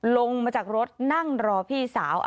ลงมาจากรถนั่งรอพี่สาว